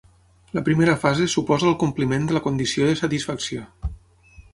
La primera fase suposa el compliment de la "condició de satisfacció".